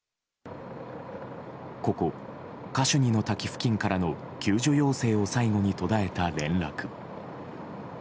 ここ、カシュニの滝付近からの救助要請を最後に途絶えた連絡。